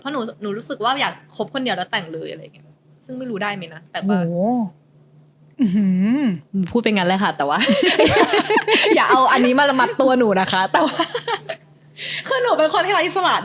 เพราะหนูรู้สึกว่าอยากจะครบคนเดียวและแต่งเลยอะไรอย่างงี้